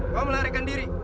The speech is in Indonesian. kau melarikan diri